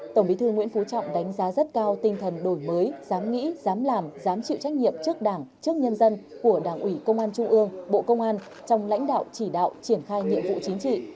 tổng bí thư nguyễn phú trọng đánh giá rất cao tinh thần đổi mới dám nghĩ dám làm dám chịu trách nhiệm trước đảng trước nhân dân của đảng ủy công an trung ương bộ công an trong lãnh đạo chỉ đạo triển khai nhiệm vụ chính trị